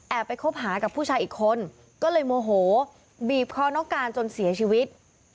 ไปคบหากับผู้ชายอีกคนก็เลยโมโหบีบคอน้องการจนเสียชีวิต